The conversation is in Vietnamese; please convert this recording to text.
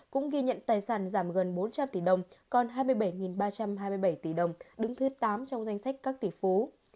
cũng ghi nhận tài sản giảm gần bốn trăm linh tỷ đồng còn hai mươi bảy ba trăm hai mươi bảy tỷ đồng đứng thứ tám trong danh sách các tỷ phú